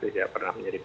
saya pernah mengurusnya